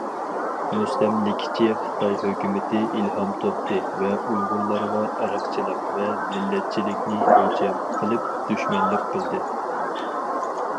مۇستەملىكىچى خىتاي ھۆكۈمىتى ئىلھام توختى ۋە ئۇيغۇرلارغا ئىرقچىلىق ۋە مىللەتچىلىكنى ئۆلچەم قىلىپ دۈشمەنلىك قىلدى .